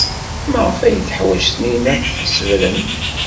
Maɣef ay teḥwaj Taninna tisebrent?